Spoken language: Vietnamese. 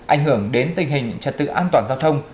ảnh hưởng đến tình hình trật tự an toàn giao thông